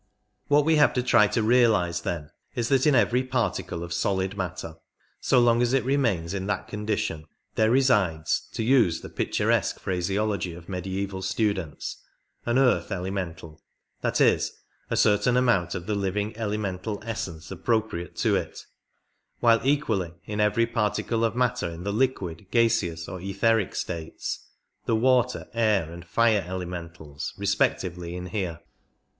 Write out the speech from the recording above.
What we have to try to realize, then, is that in every particle of solid matter, so long as it remains in that con dition, there resides, to use the picturesque phraseology of mediaeval students, an earth elemental— that is, a certain amount of the living elemental essence appropriate to it, while equally in every particle of matter in the liquid, gaseous, or etheric states, the water, air, and fire ele mentals " respectively inhere.